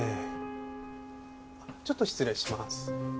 あっちょっと失礼します。